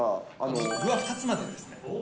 具は２つまでですね。